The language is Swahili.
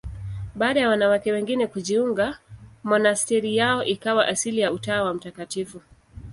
Baada ya wanawake wengine kujiunga, monasteri yao ikawa asili ya Utawa wa Mt.